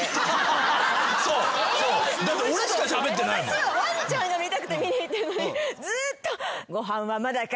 私はワンちゃんが見たくて見に行ってるのにずっと「ご飯はまだか？